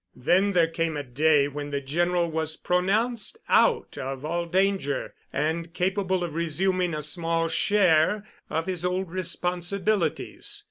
Then there came a day when the General was pronounced out of all danger and capable of resuming a small share of his old responsibilities.